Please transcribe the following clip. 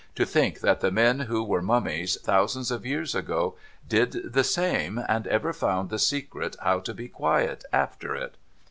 To think that the men who were mummies thousands of years ago, did the same, and ever found the secret how to be quiet after it